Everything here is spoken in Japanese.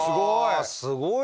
すごい！